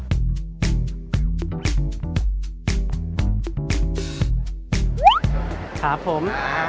ครับผม